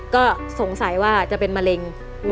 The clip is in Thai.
ก็สงสัยว่าจะเป็นมะเร็ง